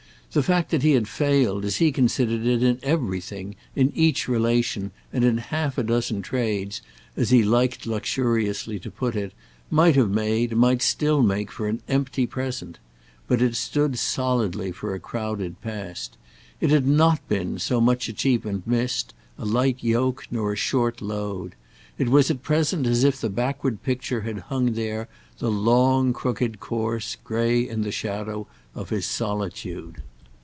The fact that he had failed, as he considered, in everything, in each relation and in half a dozen trades, as he liked luxuriously to put it, might have made, might still make, for an empty present; but it stood solidly for a crowded past. It had not been, so much achievement missed, a light yoke nor a short load. It was at present as if the backward picture had hung there, the long crooked course, grey in the shadow of his solitude.